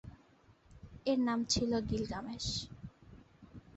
এর নাম ছিল গিলগামেশ।